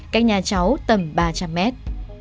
cách nhà cháu tầm ba trăm linh mét